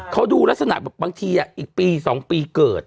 เขาดูลักษณะแบบบางทีอีกปี๒ปีเกิด